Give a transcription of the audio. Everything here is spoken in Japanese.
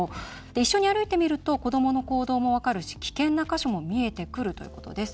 一緒に歩いてみると子どもの行動も分かるし危険な箇所も見えてくるということです。